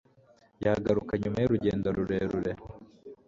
yagaruka nyuma y'urugendo rurerure